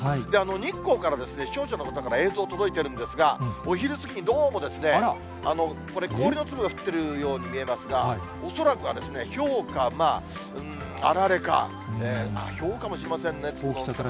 日光からですね、視聴者の方から映像が届いてるんですが、お昼過ぎにどうも、これ、氷の粒が降っているように見えますが、恐らくはひょうかあられか、あっ、ひょうかもしれませんね。